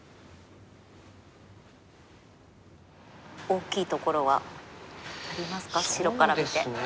大きいところはありますか白から見て。